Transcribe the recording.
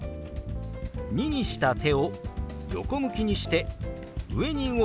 「２」にした手を横向きにして上に動かします。